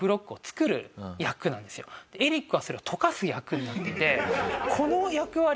でエリックはそれを溶かす役になっててこの役割。